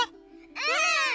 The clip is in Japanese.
うん！